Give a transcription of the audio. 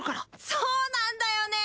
そうなんだよね！